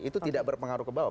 itu tidak berpengaruh ke bawah